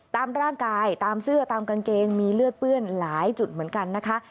ตามร่างกายตามเสื้อตามกางเกงมีเลือดเปื้อนหลายจุดเหมือนกันนะคะ